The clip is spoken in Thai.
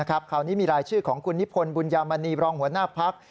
คราวนี้มีรายชื่อของคุณนิพนธ์บุญยามณีรองหัวหน้าพัก